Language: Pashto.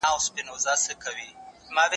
يو څه ځواني وه، څه مستي وه، څه موسم د ګُلو